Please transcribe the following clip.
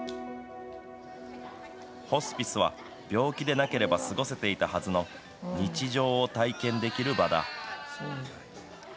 ホスピスは、病気でなければ過ごせていたはずの日常を体験できる場だ。